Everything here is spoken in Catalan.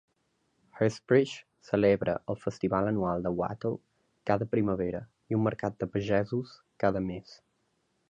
Hurstbridge celebra el festival anual de Wattle cada primavera, i un mercat de pagesos cada mes.